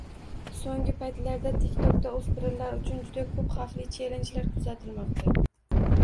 Soʻnggi paytlarda Tik Tokda oʻspirinlar uchun juda koʻp xavfli chellenjlar kuzatilmoqda.